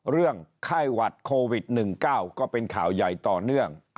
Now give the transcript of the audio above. เรื่องไข้หวัดโควิด๑๙ก็เป็นข่าวใหญ่ต่อเนื่อง